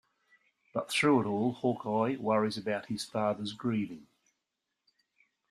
But through it all Hawkeye worries about his father's grieving.